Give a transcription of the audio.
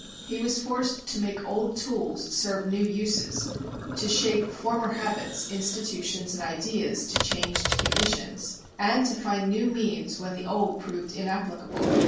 He was forced to make old tools serve new uses; to shape former habits, institutions and ideas to changed conditions; and to find new means when the old proved inapplicable.